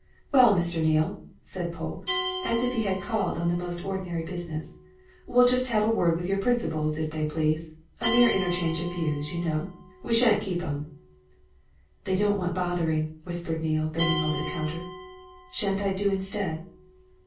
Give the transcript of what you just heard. "Well, Mr. Neale," said Polke, as if he had called on the most ordinary business, "we'll just have a word with your principals, if they please. A mere interchange of views, you know: we shan't keep 'em." "They don't want bothering," whispered Neale, bending over the counter. "Shan't I do instead?"